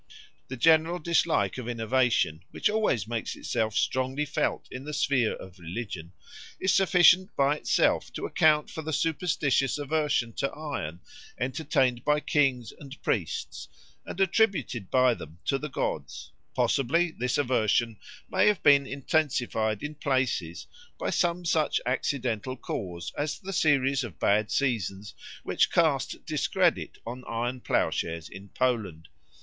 The general dislike of innovation, which always makes itself strongly felt in the sphere of religion, is sufficient by itself to account for the superstitious aversion to iron entertained by kings and priests and attributed by them to the gods; possibly this aversion may have been intensified in places by some such accidental cause as the series of bad seasons which cast discredit on iron ploughshares in Poland.